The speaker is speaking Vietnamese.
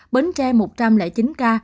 bến tre một trăm linh chín ca